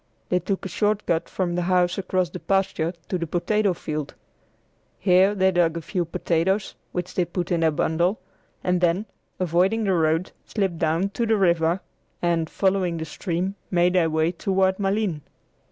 They took a short cut from the house across the pasture to the potato field. Here they dug a few potatoes, which they put in their bundle, and then, avoiding the road, slipped down to the river, and, following the stream, made their way toward Malines.